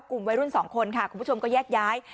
กลุ่มวัยรุ่นสองคนค่ะคุณผู้ชมก็แยกย้าย